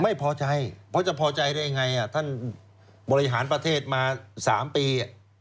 ไม่พอใจเพราะจะพอใจได้ยังไงท่านบริหารประเทศมา๓ปี